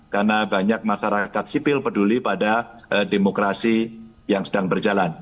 karena banyak masyarakat sipil peduli pada demokrasi yang sedang berjalan